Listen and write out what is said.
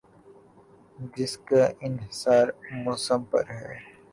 جس کا انحصار موسم پر ہے ۔